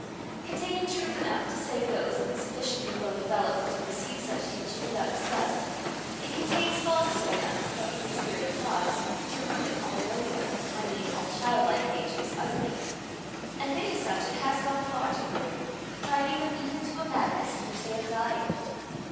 Containing truth enough to save those of sufficiently low development to receive such teaching without disgust, it contains falsehood enough, but for the Spirit of God, to ruin all nobler I mean all childlike natures, utterly; and many such it has gone far to ruin, driving them even to a madness in which they have died.